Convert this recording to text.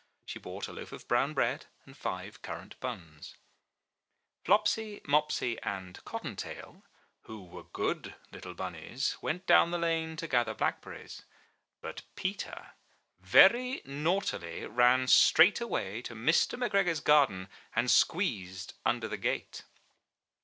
She bought a loaf of brown bread and five currant buns. i86 IN THE NURSERY Flopsy, Mopsy, and Cotton Tail, who were good little bunnies, went down the lane to gather black berries; but Peter very naughtily ran straight away to Mr. McGregor's garden, and squeezed under the gate